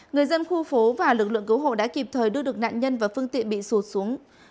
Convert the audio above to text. người dân khu phố và lực lượng cứu hộ đã kịp thời đưa được nạn nhân và phương tiện bị sụt xuống